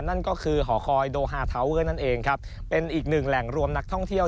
นั่นก็คือหอคอยโดฮาทาเวอร์นั่นเองครับเป็นอีกหนึ่งแหล่งรวมนักท่องเที่ยว